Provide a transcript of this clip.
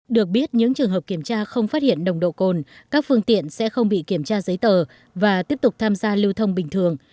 được biết những trường hợp kiểm tra không phát hiện nồng độ cồn các phương tiện sẽ không bị kiểm tra giấy tờ và tiếp tục tham gia lưu thông bình thường